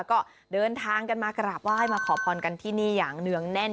ก็เดินทางกันมากราบไหว้มาขอพรกันที่นี่อย่างเนื่องแน่น